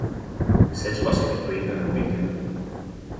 ξέσπασε και του είπε με πίκρα.